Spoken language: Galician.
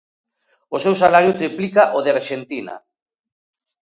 O seu salario triplica o de Arxentina.